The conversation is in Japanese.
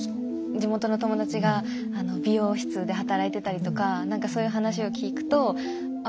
地元の友達が美容室で働いてたりとかなんかそういう話を聞くとあれ？